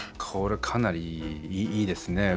これかなりいいですね。